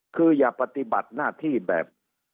คืออย่าปฏิบัติหน้าที่แบบ